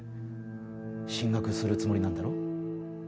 進学するつもりなんだろう？